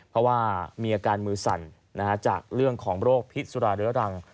เพราะว่ามีอาการมือสั่นจากเรื่องของโรคพิษสุราเรื้อรัง